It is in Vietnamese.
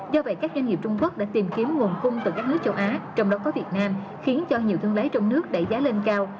do vậy các doanh nghiệp trung quốc đã tìm kiếm nguồn cung từ các nước châu á trong đó có việt nam khiến cho nhiều thương lái trong nước đẩy giá lên cao